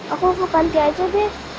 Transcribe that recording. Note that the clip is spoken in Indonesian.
aku ke panti aja deh